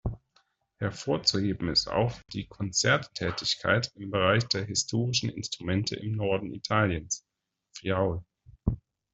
Hervorzuheben ist auch die Konzerttätigkeit im Bereich der historischen Instrumente im Norden Italiens, Friaul.